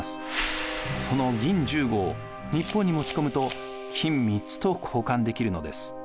この銀１５を日本に持ち込むと金３つと交換できるのです。